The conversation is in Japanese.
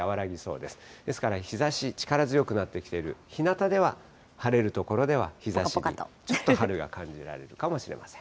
ですから日ざし、力強くなってきている、ひなたでは、晴れる所では、日ざし、ちょっと春が感じられるかもしれません。